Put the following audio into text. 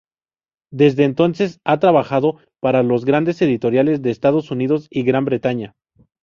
Desde entonces ha trabajado para las grandes editoriales de Estados Unidos y Gran Bretaña.